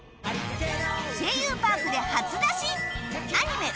『声優パーク』で初出しアニメ